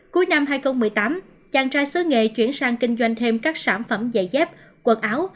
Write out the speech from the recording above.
cuối năm hai nghìn một mươi tám chàng trai sứ nghệ chuyển sang kinh doanh thêm các sản phẩm dạy dép quần áo